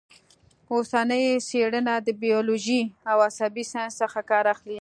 اوسنۍ څېړنه د بیولوژۍ او عصبي ساینس څخه کار اخلي